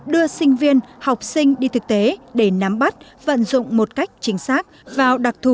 đưa sinh viên học sinh đi thực tế để nắm bắt vận dụng một cách chính xác vào đặc thù